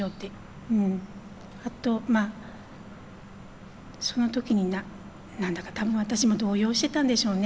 あとまあその時に何だか多分私も動揺してたんでしょうね。